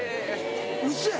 ウソや。